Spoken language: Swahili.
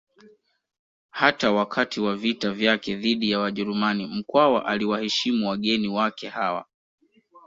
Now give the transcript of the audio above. Hata wakati wa vita vyake dhidi ya Wajerumani Mkwawa aliwaheshimu wageni wake hawa